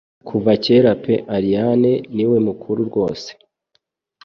Kuva kera pe Allayne niwe mukuru rwose